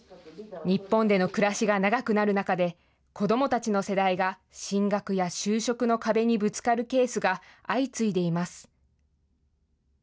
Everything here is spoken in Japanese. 日本での暮らしが長くなる中で、子どもたちの世代が進学や就職の壁にぶつかるケースが相次いでいます。